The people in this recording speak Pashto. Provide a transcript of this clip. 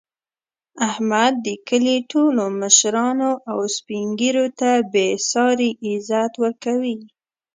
احمد د کلي ټولو مشرانو او سپین ږېرو ته بې ساري عزت ورکوي.